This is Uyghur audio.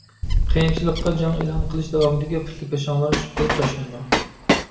قىيىنچىلىققا جەڭ ئېلان قىلىش داۋامىدىكى پۇتلىكاشاڭلار سۈپۈرۈپ تاشلىنىدۇ.